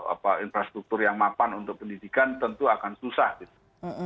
apa infrastruktur yang mapan untuk pendidikan tentu akan susah gitu